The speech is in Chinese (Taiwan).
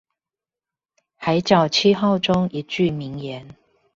海角七號中一句名言